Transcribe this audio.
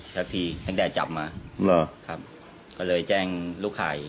แทบที่แม่งแดดจับมาหรอครับก็เลยแจ้งลูกไข่